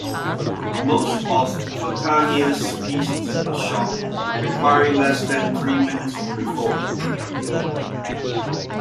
Most of Fontanelli's pieces are short, requiring less than three minutes to perform.